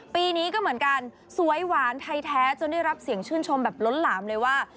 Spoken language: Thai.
ปีนี้ก็เหมือนกันสวยหวานไทยแท้จนได้รับเสียงชื่นชมแบบล้นหลามเลยว่า